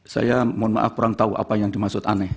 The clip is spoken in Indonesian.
saya mohon maaf kurang tahu apa yang dimaksud aneh